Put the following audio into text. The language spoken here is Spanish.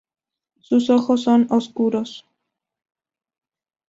Sus ojos son oscuros.